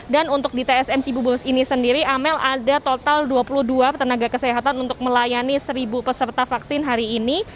dan untuk di tsm cibuburus ini sendiri amel ada total dua puluh dua tenaga kesehatan untuk melayani seribu peserta vaksin hari ini